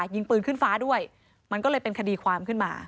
ยิงปืนขึ้นฟ้าด้วยมันก็เลยเป็นคดีความขึ้นมา